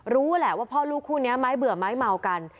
รู้แหละว่าพ่อลูกคู่นี้ไม้เบื่อไม้เมากัน